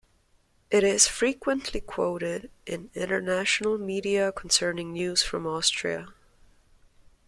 It is frequently quoted in international media concerning news from Austria.